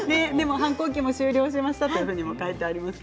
反抗期終了しましたと書いてあります。